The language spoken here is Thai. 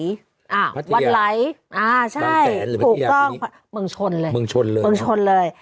พัฒนียาต่างแสนหรือพัฒนียาที่นี้มึงชนเลยมึงชนเลย